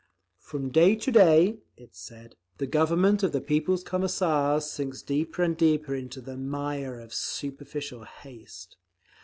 From day to day (it said) the Government of the People's Commissars sinks deeper and deeper into the mire of superficial haste.